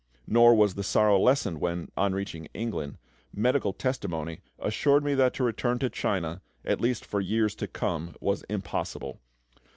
Nor was the sorrow lessened when, on reaching England, medical testimony assured me that return to China, at least for years to come, was impossible.